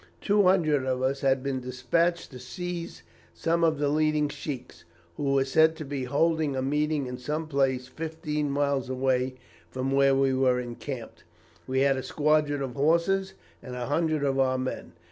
Two hundred of us had been despatched to seize some of the leading sheiks, who were said to be holding a meeting in some place fifteen miles away from where we were encamped. We had a squadron of horse and a hundred of our men.